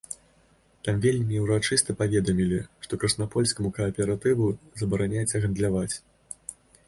Там вельмі ўрачыста паведамілі, што краснапольскаму кааператыву забараняецца гандляваць.